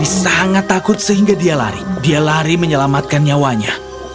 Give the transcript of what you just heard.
dia sangat takut sehingga dia lari dia lari menyelamatkan nyawanya